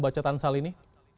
baca tansal ini